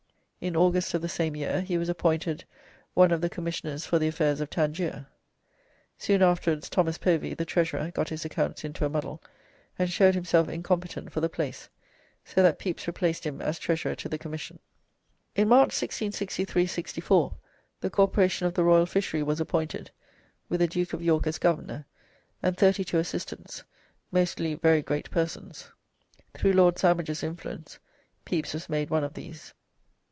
In August of the same year he was appointed one of the commissioners for the affairs of Tangier. Soon afterwards Thomas Povy, the treasurer, got his accounts into a muddle, and showed himself incompetent for the place, so that Pepys replaced him as treasurer to the commission. In March, 1663 64, the Corporation of the Royal Fishery was appointed, with the Duke of York as governor, and thirty two assistants, mostly "very great persons." Through Lord Sandwich's influence Pepys was made one of these.